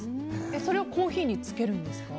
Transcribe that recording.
それをコーヒーにつけるんですか？